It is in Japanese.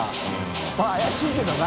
發怪しいけどな。